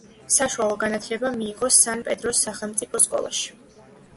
საშუალო განათლება მიიღო სან–პედროს სახელმწიფო სკოლაში.